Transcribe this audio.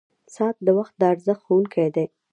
• ساعت د وخت د ارزښت ښوونکی دی.